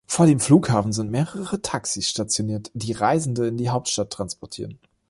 Vor dem Flughafen sind mehrere Taxis stationiert, die Reisende in die Hauptstadt transportieren.